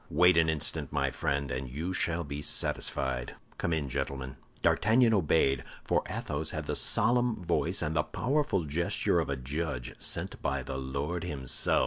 Wait an instant, my friend, and you shall be satisfied. Come in, gentlemen." D'Artagnan obeyed; for Athos had the solemn voice and the powerful gesture of a judge sent by the Lord himself.